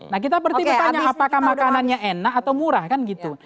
nah kita tanya apakah makanannya enak atau murah kan gitu